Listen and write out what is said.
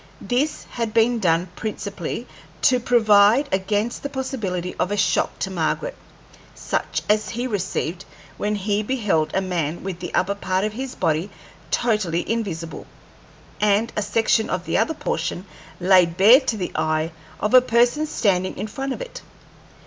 This had been done principally to provide against the possibility of a shock to Margaret, such as he received when he beheld a man with the upper part of his body totally invisible, and a section of the other portion laid bare to the eye of a person standing in front of it.